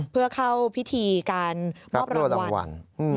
เพื่อเข้าพิธีการมอบรางวัล